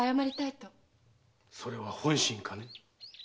それは本心かね？